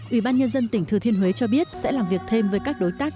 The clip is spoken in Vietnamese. ủy ban nhân dân tỉnh thừa thiên huế cho biết sẽ làm việc thêm với các đối tác